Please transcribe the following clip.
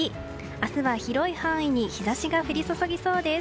明日は広い範囲に日差しが降り注ぎそうです。